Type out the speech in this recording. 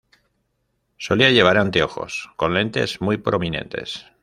Solía llevar anteojos con lentes muy prominentes.